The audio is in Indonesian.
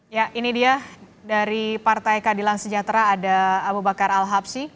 ya ini dia dari partai keadilan sejahtera ada abu bakar al habsi